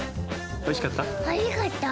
おいしかった。